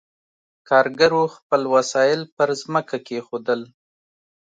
کارګرو خپل وسایل پر ځمکه کېښودل.